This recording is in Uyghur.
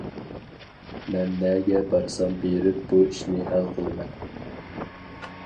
مەن نەگە بارسام بېرىپ، بۇ ئىشنى ھەل قىلىمەن!